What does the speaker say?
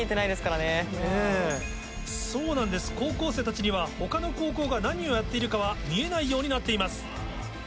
そうなんです高校生たちには他の高校が何をやっているかは見えないようになっています。